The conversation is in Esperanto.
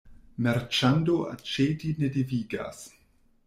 Marĉando aĉeti ne devigas.